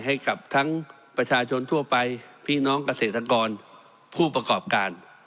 ให้กับทั้งประชาชนทั่วไปพี่น้องเกษตรกรผู้ประกอบการ